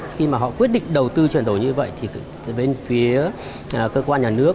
khi mà họ quyết định đầu tư chuyển đổi như vậy thì bên phía cơ quan nhà nước